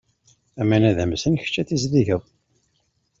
Aman ad amsen, kečč ad tizdigeḍ.